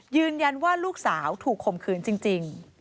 ยืนยันว่าลูกสาวถูกข่มขืนจริง